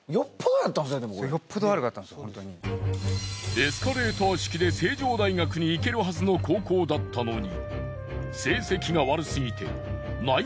エスカレーター式で成城大学に行けるはずの高校だったのに。